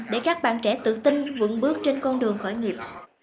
để các bạn trẻ tự tin vững bước trên con đường khởi nghiệp